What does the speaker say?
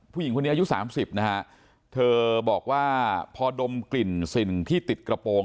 ผู้หญิงคนนี้อายุสามสิบนะฮะเธอบอกว่าพอดมกลิ่นสิ่งที่ติดกระโปรง